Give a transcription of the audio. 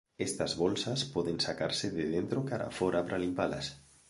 Estas bolsas poden sacarse de dentro cara a fóra para limpalas.